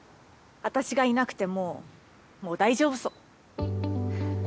私がいなくてももう大丈夫そう。